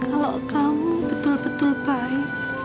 kalau kau betul betul baik